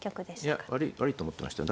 いや悪い悪いと思ってましたよ。